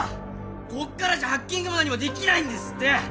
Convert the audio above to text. ここからじゃハッキングも何もできないんですって！